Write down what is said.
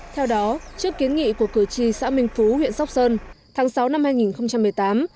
theo đó trước kiến nghị của cử tri xã minh phú huyện sóc sơn tháng sáu năm hai nghìn một mươi tám